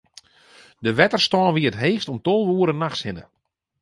De wetterstân wie it heechst om tolve oere nachts hinne.